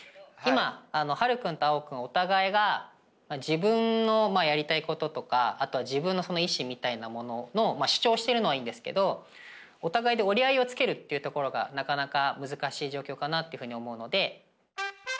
今晴君と碧君お互いが自分のやりたいこととかあとは自分のその意志みたいなものの主張してるのはいいんですけどお互いで折り合いをつけるっていうところがなかなか難しい状況かなっていうふうに思うので。